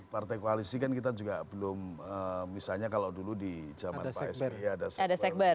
partai koalisi kan kita juga belum misalnya kalau dulu di zaman pak sby ada survei